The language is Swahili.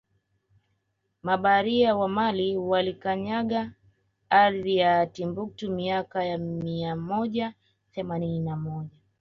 Mabaharia wa Mali walikanyaga ardhi ya Timbuktu miaka ya mia moja themanini na moja